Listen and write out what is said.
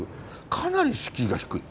かなり敷居が低い。